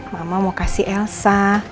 mama mau kasih elsa